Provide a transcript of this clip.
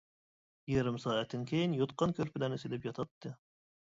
يېرىم سائەتتىن كېيىن يوتقان-كۆرپىلەرنى سېلىپ ياتاتتى.